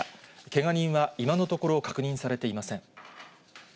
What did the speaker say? けが人は今のところ確認されていません。